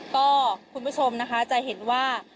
ก็คุณผู้ชมนะคะจะเห็นว่า